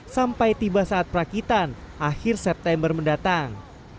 sampai tiba saat perakitan akhir september mendatang